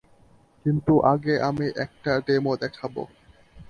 কিন্তু আগে আমি একটা ডেমো দেখাবো।